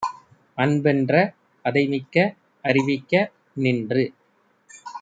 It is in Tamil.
அன்பென்ற அதைமிக்க அறிவிக்க நின்று